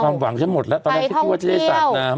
ความหวังใช่หมดแล้วตอนนั้นคิดว่าจะได้สาดน้ำ